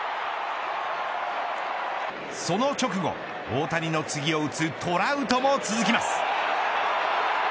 その直後大谷の次を打つトラウトも続きます。